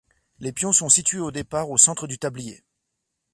Les pions sont situés au départ au centre du tablier.